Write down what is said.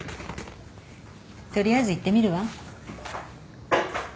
取りあえず行ってみるわ。